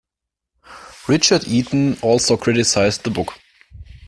Richard Eaton also criticized the book.